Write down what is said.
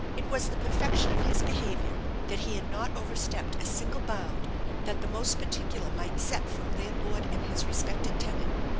It was the perfection of his behavior that he had not overstepped a single bound that the most particular might set for a landlord and his respected tenant.